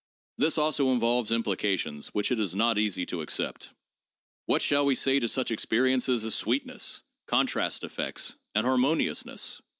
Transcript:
This also involves implications which it is not easy to accept. "What shall we say to such experiences as sweetness, contrast effects and harmoniousness